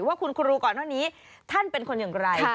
ว่าคุณครูก่อนหน้านี้ท่านเป็นคนอย่างไร